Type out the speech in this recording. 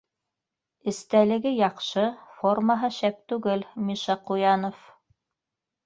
- Эстәлеге яҡшы, формаһы шәп түгел, Миша Ҡуянов.